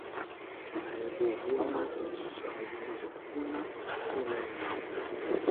Allkukuna sisuyashpankuna pilarinahun.